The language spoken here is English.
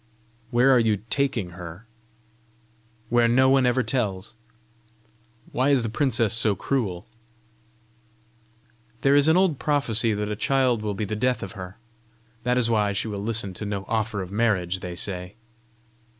"Where are you taking her?" "Where no one ever tells!" "Why is the princess so cruel?" "There is an old prophecy that a child will be the death of her. That is why she will listen to no offer of marriage, they say."